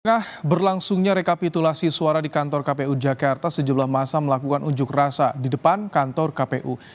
tengah berlangsungnya rekapitulasi suara di kantor kpu jakarta sejumlah masa melakukan unjuk rasa di depan kantor kpu